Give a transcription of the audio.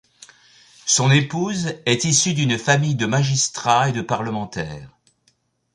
Son épouse est issue d'une famille de magistrats et de parlementaires.